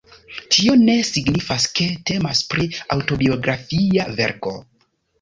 Tio ne signifas, ke temas pri aŭtobiografia verko.